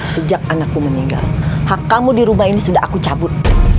sejak anakku meninggal hak kamu di rumah ini sudah aku cabut